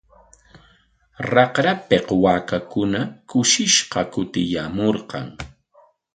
Raqrapik waakakuna kushishqa kutiyaamurqan.